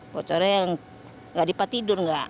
bocornya gak di pak tidur